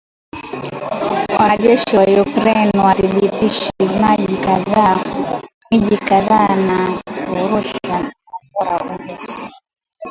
Wanajeshi wa Ukraine wadhibithi miji kadhaa na kurusha Kombora Urusi